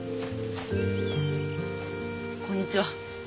こんにちは。